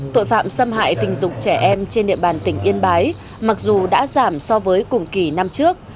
tội phạm xâm hại tình dục trẻ em trên địa bàn tỉnh yên bái mặc dù đã giảm so với cùng kỳ năm trước